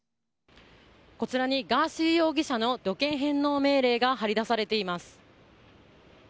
こちらにガーシー容疑者の旅券返納命令が貼り出されています。